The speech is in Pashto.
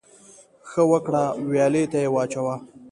ـ ښه وکړه ، ويالې ته يې واچوه.